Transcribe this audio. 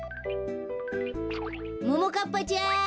ももかっぱちゃん。